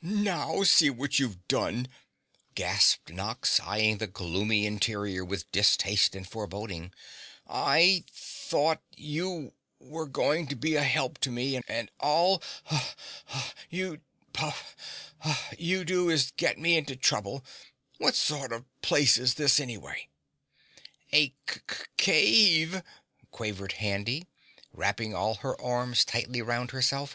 "Now, see what you've done!" gasped Nox, eyeing the gloomy interior with distaste and foreboding. "I thought you were going to be a help to me and all puff splutter you do is get me into trouble! What sort of place is this anyway?" "A c c ave," quavered Handy, wrapping all her arms tightly round herself.